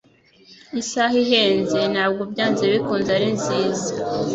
Isaha ihenze ntabwo byanze bikunze ari nziza.